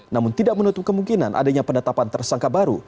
namun tidak menutup kemungkinan adanya penetapan tersangka baru